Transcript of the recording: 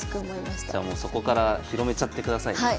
じゃあもうそこから広めちゃってください。